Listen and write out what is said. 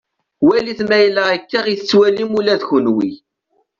Walit ma yella akka i t-tettwalim ula d kunwi.